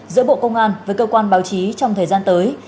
giữa bộ công an với cơ quan báo chí trong thời gian tới